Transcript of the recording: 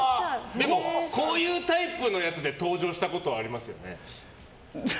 でもこういうタイプのやつで登場したことはありますよね？